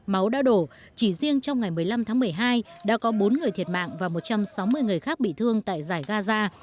máu đã đổ chỉ riêng trong ngày một mươi năm tháng một mươi hai đã có bốn người thiệt mạng và một trăm sáu mươi người khác bị thương tại giải gaza